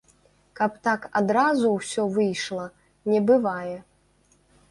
Каб так адразу ўсё выйшла, не бывае.